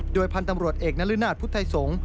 โดยพันธุ์ตำรวจเอกนรนาศพุทธัยสงฆ์